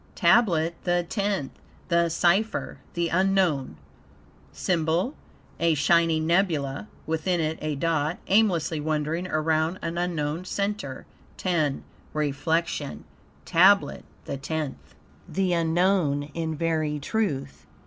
TABLET THE TENTH The Cypher the unknown SYMBOL A Shining Nebulae; within it a dot, aimlessly wandering around an unknown center. X REFLECTION TABLET THE TENTH The unknown in very truth.